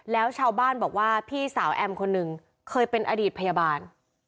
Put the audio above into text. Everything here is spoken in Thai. แล้วชาวบ้านบอกว่าพี่สาวแอมคนหนึ่งเคยเป็นอดีตพยาบาล